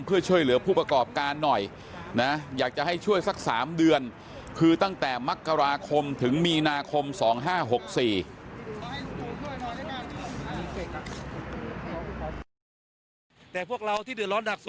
เพื่อช่วยเหลือผู้ประกอบการหน่อยนะอยากจะให้ช่วยสัก๓เดือนคือตั้งแต่มกราคมถึงมีนาคม๒๕๖๔